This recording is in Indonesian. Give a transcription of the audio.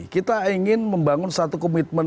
kita ingin membangun satu komitmen